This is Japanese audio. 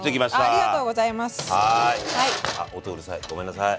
あ音うるさいごめんなさい。